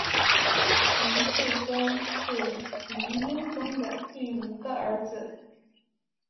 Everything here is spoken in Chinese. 黎世宗是黎英宗的第五个儿子。